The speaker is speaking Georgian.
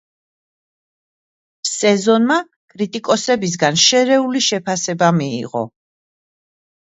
სეზონმა კრიტიკოსებისაგან შერეული შეფასება მიიღო.